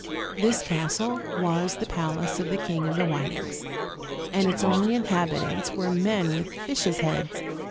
This castle was the palace of the King of the Whitings; and its only inhabitants were men with fishes' heads.